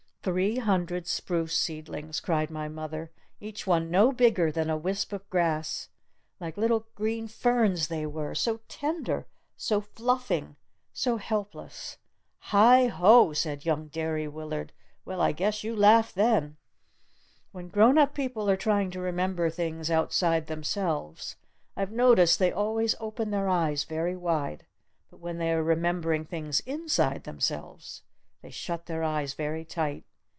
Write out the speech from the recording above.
"Three hundred spruce seedlings!" cried my mother. "Each one no bigger than a wisp of grass! Like little green ferns they were! So tender! So fluffing! So helpless!" "Heigh O!" said young Derry Willard. "Well, I guess you laughed then!" When grown up people are trying to remember things outside themselves I've noticed they always open their eyes very wide. But when they are remembering things inside themselves they shut their eyes very tight.